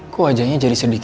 kok wajahnya jadi sedih gitu